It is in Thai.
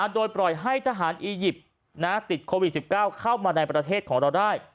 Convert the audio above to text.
โดยปล่อยให้ทหารอียิปต์ติดโควิด๑๙เข้ามาในประเทศของเราได้